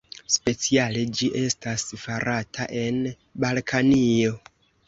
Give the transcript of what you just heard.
Speciale ĝi estas farata en Balkanio.